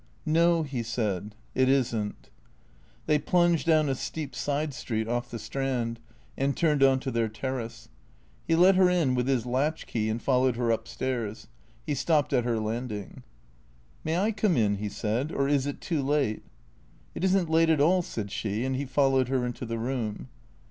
" No," he said. " It is n't." They plunged down a steep side street off the Strand, and turned on to their terrace. He let her in with his latchkey and followed her up stairs. He stopped at her landing. " May I come in? " he said. " Or is it too late? "" It is n't late at all," said she. And he followed her into the room.